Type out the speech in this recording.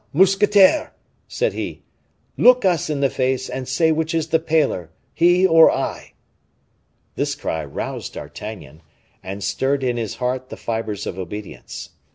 mousquetaire!_" said he. "Look us in the face and say which is the paler, he or I!" This cry roused D'Artagnan, and stirred in his heart the fibers of obedience.